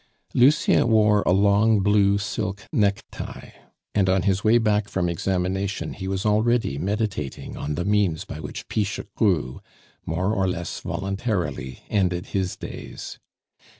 Lucien wore a long blue silk necktie, and on his way back from examination he was already meditating on the means by which Pichegru, more or less voluntarily, ended his days.